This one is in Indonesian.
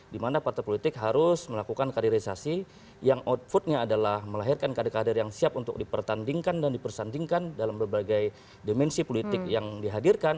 dimana partai politik harus melakukan karirisasi yang outputnya adalah melahirkan kader kader yang siap untuk dipertandingkan dan dipersandingkan dalam berbagai dimensi politik yang dihadirkan